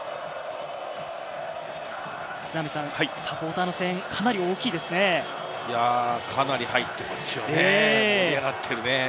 サポーターの声援がかなり大きいですね。